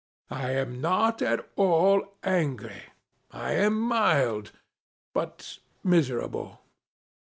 I am not at all angry ; I am mild — but miserable.